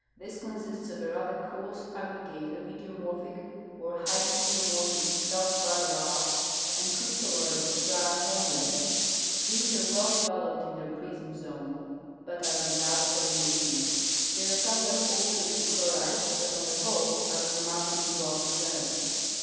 This consists of a rather coarse aggregate of idiomorphic or hypidiomorphic feldspar laths and crystalloids of brown horn blende. These are Avell developed in their prisna zone but are Avithout terminations. They are someAvhat altered to chlorite, but on tlie Avhole are remarkably Avell jn eserved.